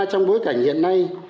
trong bối cảnh hiện nay